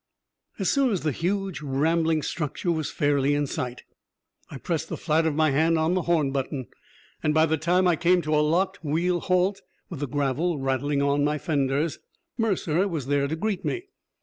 As soon as the huge, rambling structure was fairly in sight, I pressed the flat of my hand on the horn button. By the time I came to a locked wheel halt, with the gravel rattling on my fenders, Mercer was there to greet me.